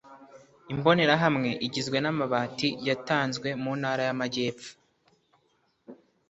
imbonerahamwe igizwe n’amabati yatanzwe muntara y’amajyepfo.